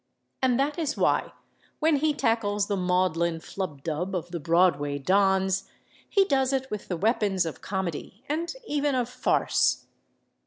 And that is why, when he tackles the maudlin flubdub of the Broadway dons, he does it with the weapons of comedy, and even of farce.